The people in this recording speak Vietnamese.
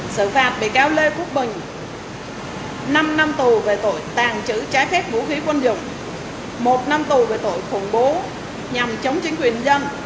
xử phạt bị cáo lê quốc bình năm năm tù về tội tàng trữ trái phép vũ khí quân dụng một năm tù về tội khủng bố nhằm chống chính quyền dân